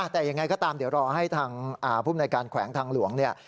แต่ยังไงก็ตามเดี๋ยวรอให้ทางภูมิในการแขวงทางหลวงเนี่ย